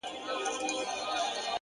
د زاړه کور دیوالونه د وخت نښې ساتي.!